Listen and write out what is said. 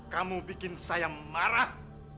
kamu bikin saya marah